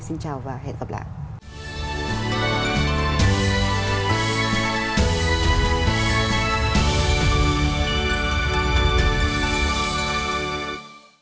xin chào và hẹn gặp lại